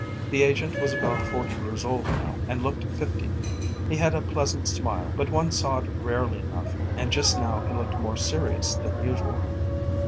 The agent was about forty years old now and looked fifty. He had a pleasant smile, but one saw it rarely enough, and just now he looked more serious than usual.